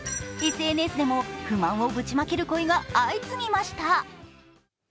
ＳＮＳでも不満をぶちまける声が相次ぎました。